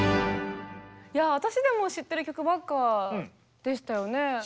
いや私でも知ってる曲ばっかでしたよね。